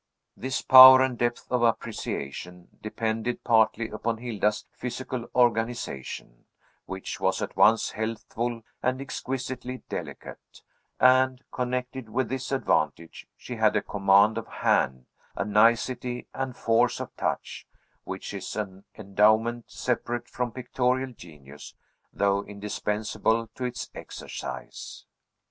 This power and depth of appreciation depended partly upon Hilda's physical organization, which was at once healthful and exquisitely delicate; and, connected with this advantage, she had a command of hand, a nicety and force of touch, which is an endowment separate from pictorial genius, though indispensable to its exercise.